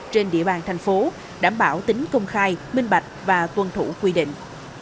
trên địa bàn thành phố đảm bảo tính công khai minh bạch và tuân thủ quy định